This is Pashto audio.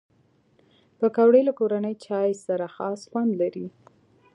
پکورې له کورني چای سره خاص خوند لري